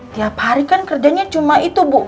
tiap hari kan kerjanya cuma itu bu